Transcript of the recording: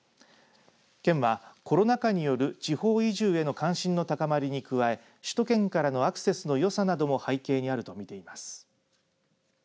県はコロナ禍による地方移住への関心の高まりに加え首都圏からのアクセスのよさなども背景にあるとみています。